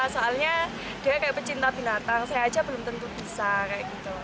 soalnya dia kayak pecinta binatang saya aja belum tentu bisa kayak gitu